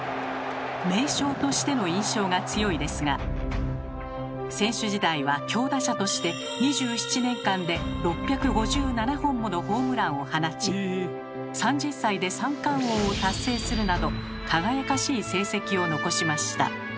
「名将」としての印象が強いですが選手時代は強打者として２７年間で６５７本ものホームランを放ち３０歳で三冠王を達成するなど輝かしい成績を残しました。